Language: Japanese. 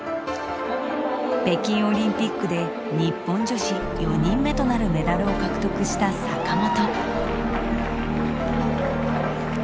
北京オリンピックで日本女子４人目となるメダルを獲得した坂本。